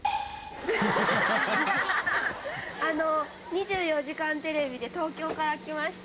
あの、２４時間テレビで東京から来ました。